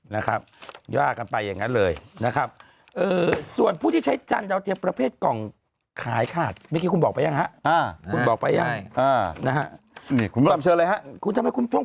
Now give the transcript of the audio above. นะครับย่ากันไปอย่างนั้นเลยนะครับส่วนผู้ที่ใช้จันดาวเทียมประเภทกล่องขายขาดเมื่อกี้คุณบอกไปยังฮะคุณบอกไปยัง